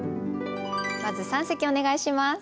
まず三席お願いします。